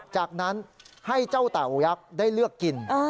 จากนั้นให้เจ้าเต่ายักษ์ได้เลือกกิน